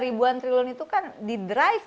ribuan triliun itu kan di drive